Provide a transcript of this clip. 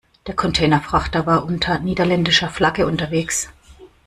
Der Containerfrachter war unter niederländischer Flagge unterwegs.